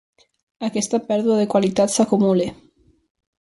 Aquesta pèrdua de qualitat s'acumula.